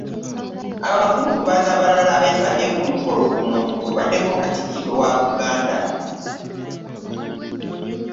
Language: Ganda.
Abakungubazi abalala abeetabye ku mukolo guno kubaddeko Katikkiro wa Buganda